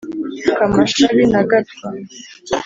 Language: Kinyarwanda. kamashabi na gatwa